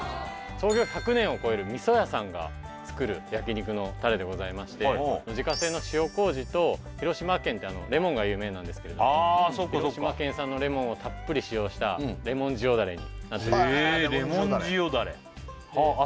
創業１００年を超える味噌屋さんが作る焼肉のタレでございまして自家製の塩麹と広島県ってレモンが有名なんですけれども広島県産のレモンをたっぷり使用したレモン塩ダレになっていますへえレモン塩ダレへえレモン塩